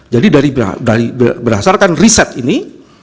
jadi berdasarkan riset ini